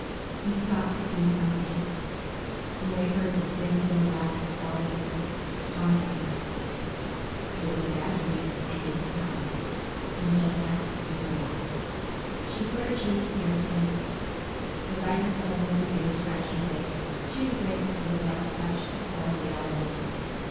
"We've got to do something." Lorry heard again the thin, brittle laughter following her, taunting her. "It was a bad dream. It didn't happen. We'll just have to sleep it off." She put her cheek against his. The rising stubble of his beard scratched her face. She was grateful for the rough touch of solid reality.